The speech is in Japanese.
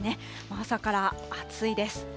朝から暑いです。